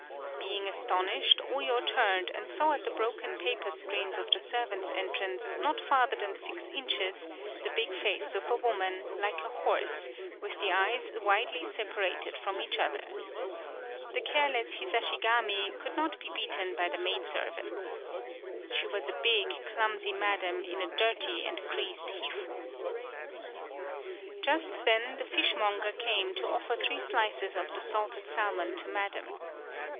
Being astonished, Oyo turned and saw at the broken paper screens of the servants' entrance not farther than six inches, the big face of woman, like a horse, with the eyes widely separated from each other. The careless Hisa shigami could not be beaten by the maid 100 THE BILL COLLECTING servants. She was a big, clumsy madam in a dirty and creased Hifu. Just then, the fishermonger came to offer three slices of the salted salmon to madam.